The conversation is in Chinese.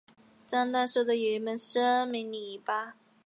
张大受的有一门生名李绂。